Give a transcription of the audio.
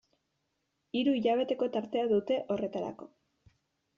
Hiru hilabeteko tartea dute horretarako.